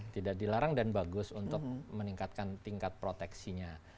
tidak dilarang dan bagus untuk meningkatkan tingkat proteksinya